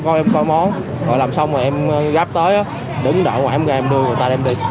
coi em coi món rồi làm xong rồi em gáp tới á đứng đợi ngoài em ra em đưa người ta đem đi